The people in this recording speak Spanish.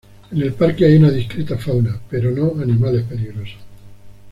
En el parque hay una discreta fauna, pero no animales peligrosos.